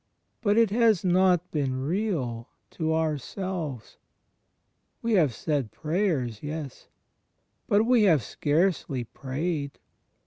But it has not been real to ourselves. We have said prayers? Yes. But we have scarcely prayed.